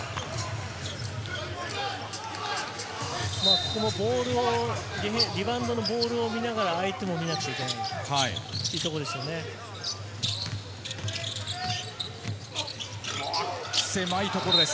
ここもリバウンドのボールを見ながら相手も見なくちゃいけないというところです。